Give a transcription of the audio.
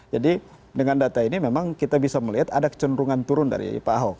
jadi dengan data ini memang kita bisa melihat ada kecenderungan turun dari pak ahok